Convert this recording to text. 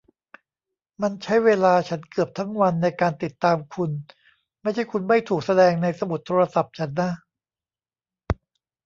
มันใช้เวลาฉันเกือบทั้งวันในการติดตามคุณ ไม่ใช่คุณไม่ถูกแสดงในสมุดโทรศัพท์ฉันนะ